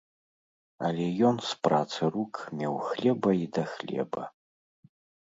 Але ён з працы рук меў хлеба і да хлеба.